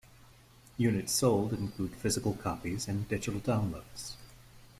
Units sold include physical copies and digital downloads.